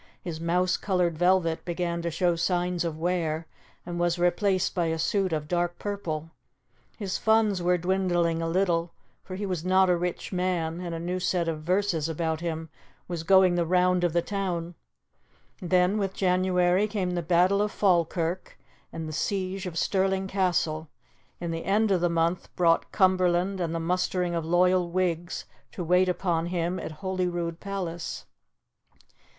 His mouse coloured velvet began to show signs of wear and was replaced by a suit of dark purple; his funds were dwindling a little, for he was not a rich man, and a new set of verses about him was going the round of the town. Then, with January, came the battle of Falkirk and the siege of Stirling Castle, and the end of the month brought Cumberland and the mustering of loyal Whigs to wait upon him at Holyrood Palace.